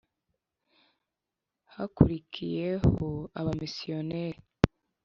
hakurikiyeho abamisiyoneri